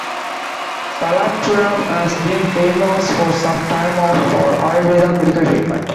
Palappuram has been famous for some time for Ayurveda Medical treatment.